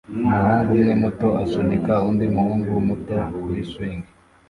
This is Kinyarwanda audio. Umuhungu umwe muto asunika undi muhungu muto kuri swing